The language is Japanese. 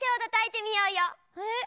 えっ？